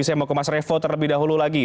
saya mau ke mas revo terlebih dahulu lagi